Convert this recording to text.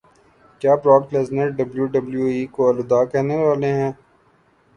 کیا Brock Lesnar W W E کو الوداع کہنے والے ہیں